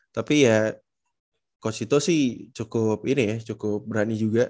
tapi ya cost itu sih cukup ini ya cukup berani juga